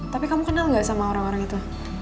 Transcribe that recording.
tapi kamu kenal gak sama orang orang itu